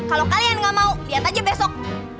kalau kalian gak mau lihat aja besok